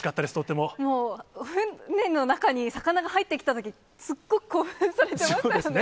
もう、船の中に魚が入ってきたとき、すっごく興奮されてましたよね。